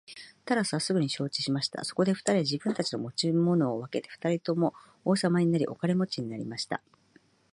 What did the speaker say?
タラスはすぐ承知しました。そこで二人は自分たちの持ち物を分けて二人とも王様になり、お金持になりました。